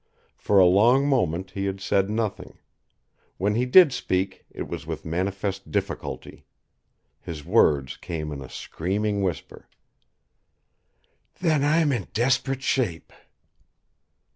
For a long moment, he had said nothing. When he did speak, it was with manifest difficulty. His words came in a screaming whisper: "Then, I'm in desperate shape!"